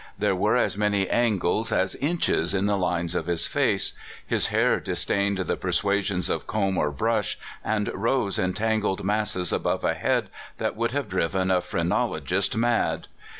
There were as many angles as inches in the lines of his face. His hair dis dained the persuasions of comb or brush, and rose in tangled masses above a head that would have driven a phrenologist mad.